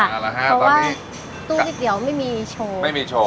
เพราะว่าตู้สิบเดียวไม่มีโชว์